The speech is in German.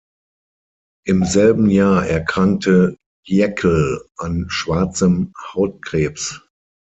Im selben Jahr erkrankte Jaeckel an schwarzem Hautkrebs.